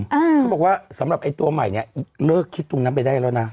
เขาบอกว่าสำหรับไอ้ตัวใหม่เนี้ยเลิกคิดตรงนั้นไปได้แล้วนะ